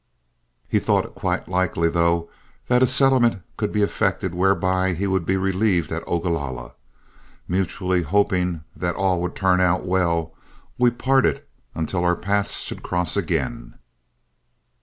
He thought it quite likely, though, that a settlement could be effected whereby he would be relieved at Ogalalla. Mutually hoping that all would turn out well, we parted until our paths should cross again.